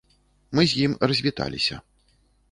Мы з ім развіталіся.